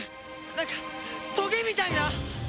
なんかトゲみたいな。